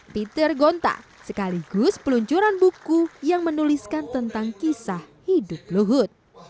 peter gonta sekaligus peluncuran buku yang menuliskan tentang kisah hidup luhut